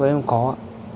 với em có ạ